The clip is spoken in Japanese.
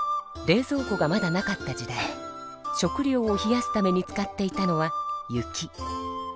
冷ぞう庫がまだなかった時代食料を冷やすために使っていたのは雪。